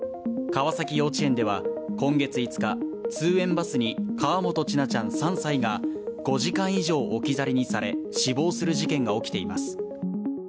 川崎幼稚園では今月５日、通園バスに河本千奈ちゃん３歳が５時間以上置き去りにされ、死亡する事件が起きています。